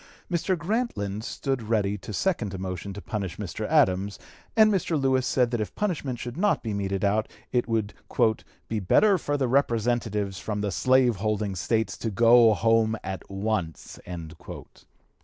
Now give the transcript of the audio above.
Mr. Grantland stood ready to second a motion to punish Mr. Adams, and Mr. Lewis said that if punishment should not be meted out it would "be better for the representatives from the slave holding States to go home at once."